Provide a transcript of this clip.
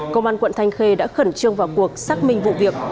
công an quận thanh khê đã khẩn trương vào cuộc xác minh vụ việc